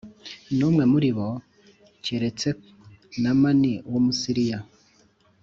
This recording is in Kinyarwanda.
n umwe muri bo keretse Namani w Umusiriya